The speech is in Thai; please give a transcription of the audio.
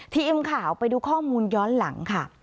ทีมข่าวไปดูข้อมูลย้อนหลังค่ะ